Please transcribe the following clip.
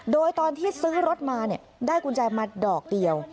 โดยตอนที่ซื้อรถมาได้กุญแจมาดอกเดียว